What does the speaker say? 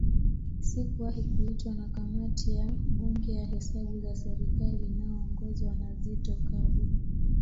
Sikuwahi kuitwa na Kamati ya Bunge ya Hesabu za serikali inayoongozwa na Zitto Kabwe